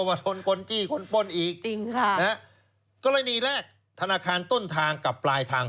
ว่าโดนคนจี้คนป้นอีกจริงค่ะนะฮะกรณีแรกธนาคารต้นทางกับปลายทาง